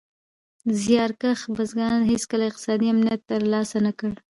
زیار کښه بزګران هېڅکله اقتصادي امنیت تر لاسه نه کړ.